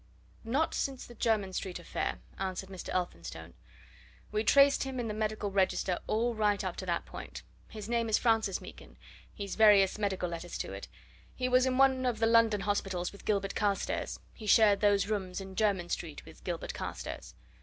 "Not since the Jermyn Street affair," answered Mr. Elphinstone. "We traced him in the medical register all right up to that point. His name is Francis Meekin he's various medical letters to it. He was in one of the London hospitals with Gilbert Carstairs he shared those rooms in Jermyn Street with Gilbert Carstairs.